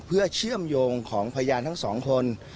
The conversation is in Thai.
เพื่อเชื่อมโยงของพยานทั้งสองคน